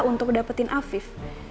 untuk dapetin afif